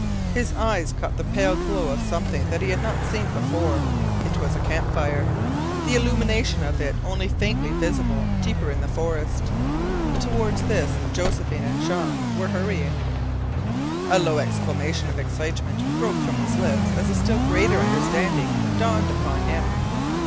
His eyes caught the pale glow of something that he had not seen before. It was a campfire, the illumination of it only faintly visible deeper in the forest. Toward this Josephine and Jean were hurrying. A low exclamation of excitement broke from his lips as a still greater understanding dawned upon him.